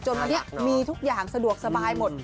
วันนี้มีทุกอย่างสะดวกสบายหมด